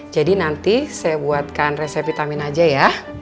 jadi nanti saya buatkan resep vitamin aja ya